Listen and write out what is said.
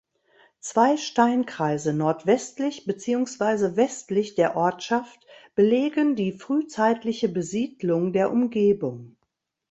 Zwei Steinkreise nordwestlich beziehungsweise westlich der Ortschaft belegen die frühzeitliche Besiedlung der Umgebung.